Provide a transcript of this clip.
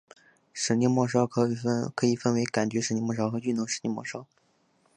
神经末梢可以分为感觉神经末梢和运动神经末梢。